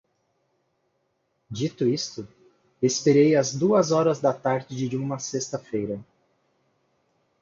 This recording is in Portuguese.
Dito isto, expirei às duas horas da tarde de uma sexta-feira